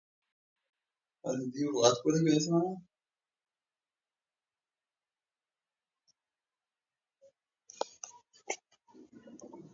لوستې میندې د ماشوم پر تغذیه ژمنه ده.